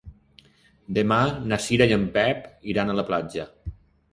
Demà na Cira i en Pep iran a la platja.